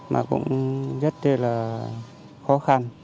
mà cũng rất là khó khăn